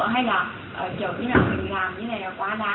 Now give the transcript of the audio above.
hay là kiểu như là mình làm như này là quá đáng